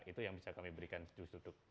itu yang bisa kami berikan dus duk duk